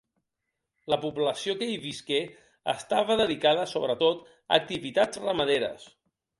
La població que hi visqué estava dedicada, sobretot, a activitats ramaderes.